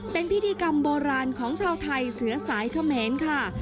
เป็นพิธีกรรมโบราณของชาวไทยเสือสายเขมรค่ะ